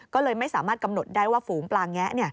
ก็เลยไม่สามารถกำหนดได้ว่าฝูงปลาแงะ